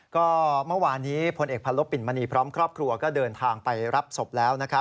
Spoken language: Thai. ก็เมื่อวานนี้พลเอกพันลบปิ่นมณีพร้อมครอบครัวก็เดินทางไปรับศพแล้ว